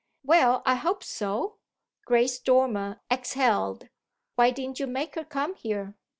"Well, I hope so!" Grace Dormer exhaled. "Why didn't you make her come here?"